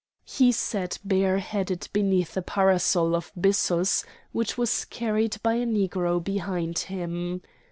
He sat bare headed beneath a parasol of byssus which was carried by a Negro behind him.